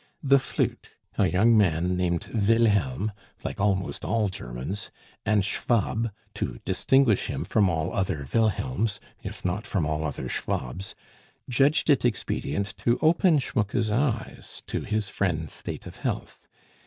The flute, a young man named Wilhelm, like almost all Germans; and Schwab, to distinguish him from all other Wilhelms, if not from all other Schwabs, judged it expedient to open Schmucke's eyes to his friend's state of health.